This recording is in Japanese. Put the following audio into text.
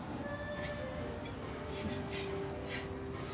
はい。